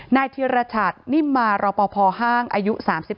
เทียรชัตนิมมารอปภห้างอายุ๓๓